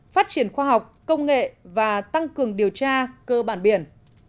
phát triển khoa học công nghệ và tăng cường điều tra cơ bản biển